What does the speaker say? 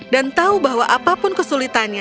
dan tahu bahwa apapun kesulitanya